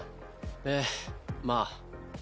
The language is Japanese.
ええまあ。